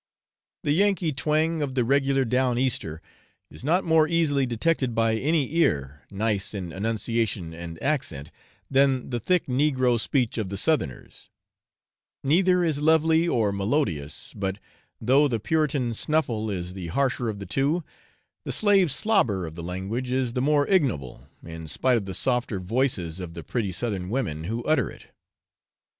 The Yankee twang of the regular down Easter is not more easily detected by any ear, nice in enunciation and accent, than the thick negro speech of the southerners: neither is lovely or melodious; but though the Puritan snuffle is the harsher of the two, the slave slobber of the language is the more ignoble, in spite of the softer voices of the pretty southern women who utter it.